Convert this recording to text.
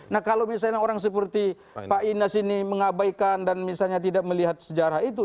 nah kalau misalnya orang seperti pak inas ini mengabaikan dan misalnya tidak melihat sejarah itu